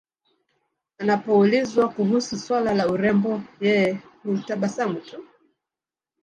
Anapoulizwa kuhusu swala la urembo yeye hutabasamu tu